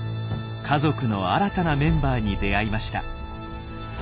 家族の新たなメンバーに出会いました。